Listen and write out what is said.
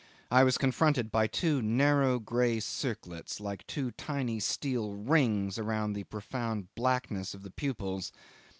I was confronted by two narrow grey circlets, like two tiny steel rings around the profound blackness of the pupils.